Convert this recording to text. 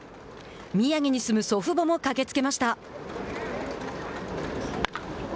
宮城に住む祖父母も駆けつけました。